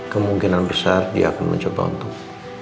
kemungkinan besar dia akan mencoba untuk